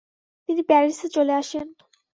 তিনি প্যারিসে চলে আসেন।